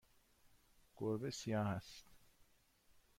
گربه سیاه است.